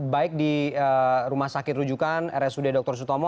baik di rumah sakit rujukan rsud dr sutomo